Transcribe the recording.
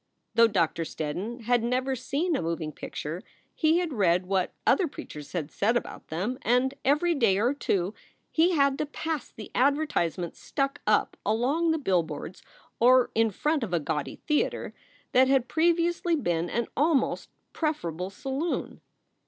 Though Doctor Steddon had never seen a moving picture, he had read what other preachers had said about them, and every day or two he had to pass the advertisements stuck up along the billboards or in front of a gaudy theater that had previously been an almost preferable saloon.